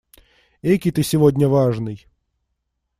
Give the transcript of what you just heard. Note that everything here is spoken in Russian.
Экий ты сегодня важный!